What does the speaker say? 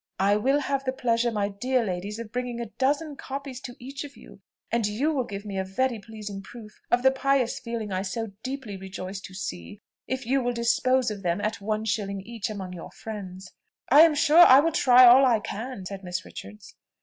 I will have the pleasure, my dear ladies, of bringing a dozen copies to each of you; and you will give me a very pleasing proof of the pious feeling I so deeply rejoice to see, if you will dispose of them at one shilling each among your friends." "I am sure I will try all I can!" said Miss Richards.